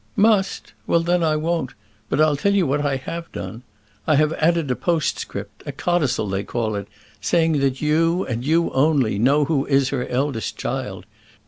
"Must! well then I won't; but I'll tell you what I have done. I have added a postscript a codicil they call it saying that you, and you only, know who is her eldest child.